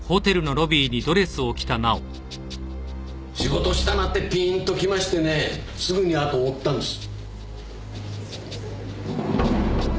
仕事したなってピーンときましてねぇすぐにあとを追ったんです。